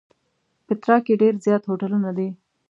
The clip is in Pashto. پېټرا کې ډېر زیات هوټلونه دي.